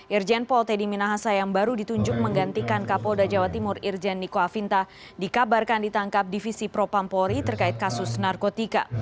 irjen pol teddy minahasa yang baru ditunjuk menggantikan kapolda jawa timur irjen niko afinta dikabarkan ditangkap divisi propampori terkait kasus narkotika